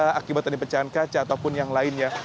bagai orang yang mungkin mengadakan kepecebanan ngauk